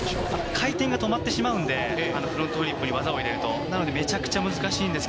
回転が止まってしまうので、フロントフリップに技を入れると、なのでめちゃくちゃ難しいです。